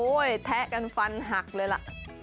โอ้โฮแทะกันฟันหักเลยล่ะ